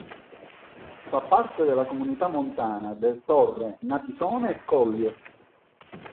Fa parte della Comunità Montana del Torre, Natisone e Collio.